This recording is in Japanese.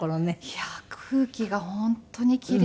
いや空気が本当に奇麗ではい。